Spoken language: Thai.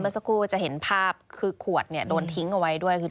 เมื่อสักครู่จะเห็นภาพคือขวดโดนทิ้งเอาไว้ด้วย